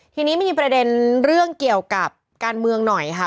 ทีนี้มันมีประเด็นเรื่องเกี่ยวกับการเมืองหน่อยค่ะ